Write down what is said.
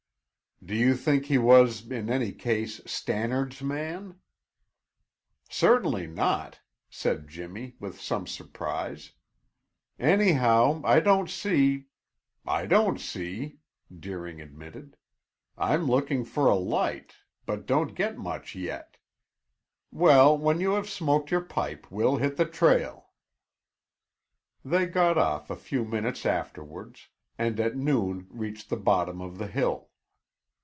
"Do you think he was, in any sense, Stannard's man?" "Certainly not," said Jimmy, with some surprise. "Anyhow, I don't see " "I don't see," Deering admitted. "I'm looking for a light, but don't get much yet. Well, when you have smoked your pipe we'll hit the trail." They got off a few minutes afterwards, and at noon reached the bottom of the hill.